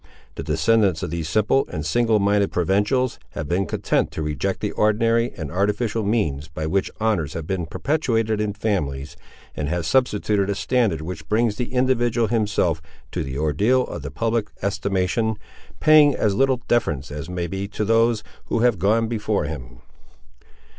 The descendants of these simple and single minded provincials have been content to reject the ordinary and artificial means by which honours have been perpetuated in families, and have substituted a standard which brings the individual himself to the ordeal of the public estimation, paying as little deference as may be to those who have gone before him.